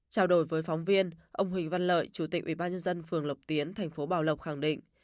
trao đổi với phóng viên ông huỳnh văn lợi chủ tịch ubnd phường lộc tiến thành phố bảo lộc khẳng định